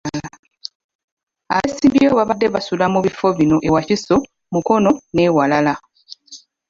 Abeesimbyewo babadde basula mu bifo bino e Wakiso, Mukono n'ewalala.